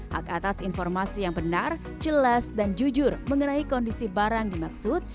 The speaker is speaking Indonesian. hak atas informasi yang benar jelas dan jujur mengenai kondisi barang dimaksud